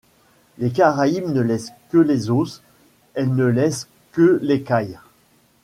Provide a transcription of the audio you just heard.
Les caraïbes ne laissent que les os, elles ne laissent que l’écaille.